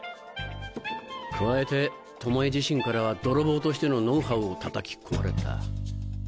加えてトモエ自身からは泥棒としてのノウハウをたたき込まれた。